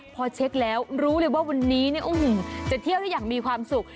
พอเช็คแล้วรู้เลยว่าวันนี้จะเที่ยวได้อย่างมีความสุข